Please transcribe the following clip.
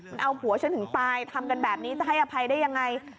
มันเอาผัวฉันถึงตายทำกันแบบนี้จะให้อภัยได้ยังไง